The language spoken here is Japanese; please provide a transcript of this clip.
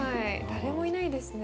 誰もいないですね。